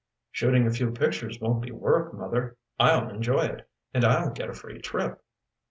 "Shooting a few pictures won't be work, Mother. I'll enjoy it. And I'll get a free trip."